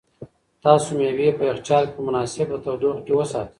تاسو مېوې په یخچال کې په مناسبه تودوخه کې وساتئ.